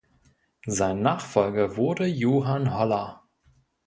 Sein Nachfolger wurde Johann Holler.